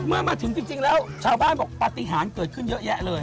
เมื่อมาถึงจริงแล้วชาวบ้านบอกปฏิหารเกิดขึ้นเยอะแยะเลย